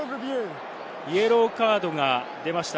イエローカードが出ました。